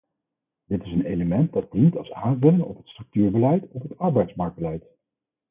Dit is een element dat dient als aanvulling op het structuurbeleid, op het arbeidsmarktbeleid.